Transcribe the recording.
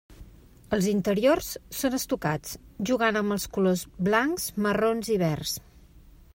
Els interiors són estucats, jugant amb els colors blancs, marrons i verds.